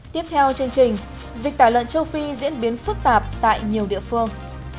tiếp theo chương trình dịch tài luận châu phi diễn biến phức tạp tại nhiều địa phương